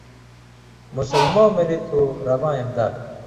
مسلموں ملِی تُھو رباں امداد